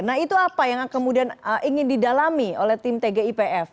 nah itu apa yang kemudian ingin didalami oleh tim tgipf